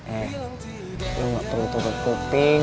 eh lo gak perlu terut kuping